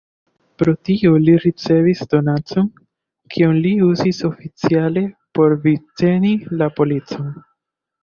Pro tio li ricevis donacon, kion li uzis oficiale por vivteni la policon.